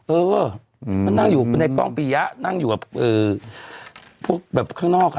เออมันนั่งอยู่คุณไอ้กล้องปียะนั่งอยู่กับพวกแบบข้างนอก